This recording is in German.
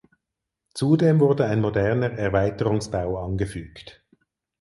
Zudem wurde ein moderner Erweiterungsbau angefügt.